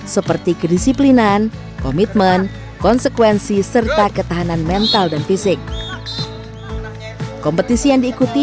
seperti kedisiplinan komitmen konsekuensi serta ketahanan mental dan fisik kompetisi yang diikuti